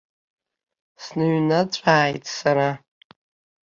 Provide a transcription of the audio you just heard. Сныҩныҵәааит сара.